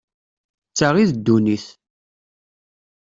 D ta i ddunit.